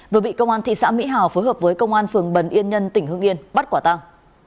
vừa bị công an thị xã mỹ hào phối hợp với công an phường bần yên nhân tỉnh hương yên bắt quả tăng